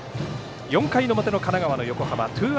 ４回の表の神奈川の横浜。